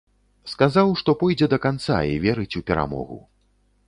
Сказаў, што пойдзе да канца і верыць у перамогу.